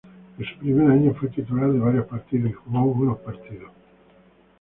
En su primer año, fue titular en varios partidos y jugó buenos partidos.